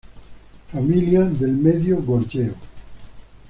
Familia del medio Goryeo.